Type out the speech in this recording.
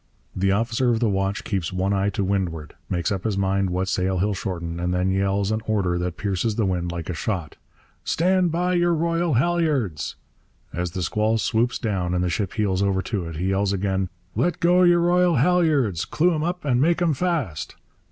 The officer of the watch keeps one eye to windward, makes up his mind what sail he'll shorten, and then yells an order that pierces the wind like a shot, 'Stand by your royal halliards!' As the squall swoops down and the ship heels over to it he yells again, 'Let go your royal halliards, clew 'em up and make 'em fast!'